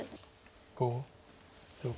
５６。